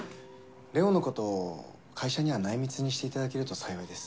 レオのこと会社には内密にしていただけると幸いです。